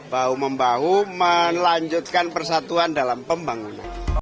bahu membahu melanjutkan persatuan dalam pembangunan